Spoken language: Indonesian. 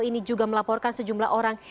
ini juga melaporkan sejumlah orang